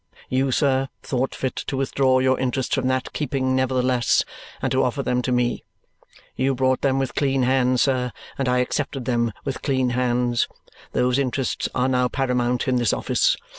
You, sir, thought fit to withdraw your interests from that keeping nevertheless and to offer them to me. You brought them with clean hands, sir, and I accepted them with clean hands. Those interests are now paramount in this office.